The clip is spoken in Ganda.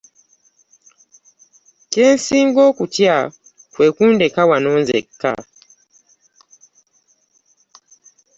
Kye nsinga okutya kwe kundeka wano nzekka.